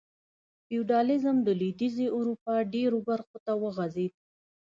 فیوډالېزم د لوېدیځې اروپا ډېرو برخو ته وغځېد.